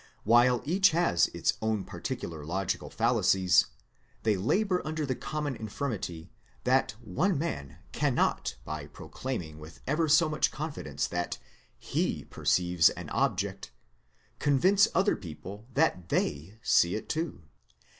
While each has its own particular logical fallacies, they labour under the common infirmity, that one man cannot by pro claiming with ever so much confidence that lie perceives an object, convince other people that they see it too.